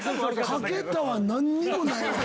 掛けたわ何にもないわで。